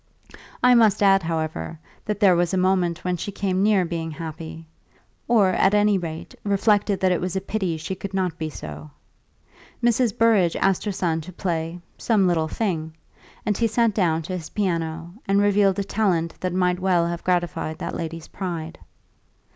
I must add, however, that there was a moment when she came near being happy or, at any rate, reflected that it was a pity she could not be so. Mrs. Burrage asked her son to play "some little thing," and he sat down to his piano and revealed a talent that might well have gratified that lady's pride.